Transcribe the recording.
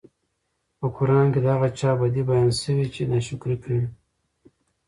په قران کي د هغه چا بدي بيان شوي چې ناشکري کوي